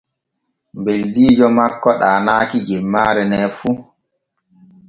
Beldiijo makko ɗaanaaki jemmaare ne fu.